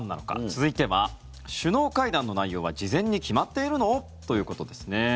続いては、首脳会談の内容は事前に決まっているの？ということですね。